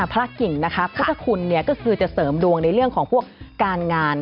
พระกิ่งนะคะพุทธคุณก็คือจะเสริมดวงในเรื่องของพวกการงาน